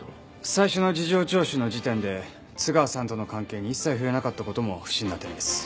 最初の事情聴取の時点で津川さんとの関係に一切触れなかった事も不審な点です。